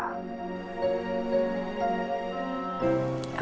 aku juga belum tau sih mas